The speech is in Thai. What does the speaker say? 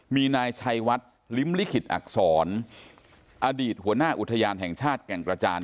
มีนายชัยวัดลิ้มลิขิตอักษรอดีตหัวหน้าอุทยานแห่งชาติแก่งกระจาน